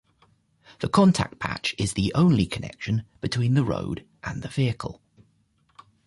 The contact patch is the only connection between the road and the vehicle.